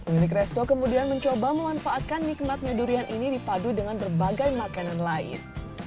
pemilik resto kemudian mencoba memanfaatkan nikmatnya durian ini dipadu dengan berbagai makanan lain